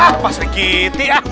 wah pas begitu ya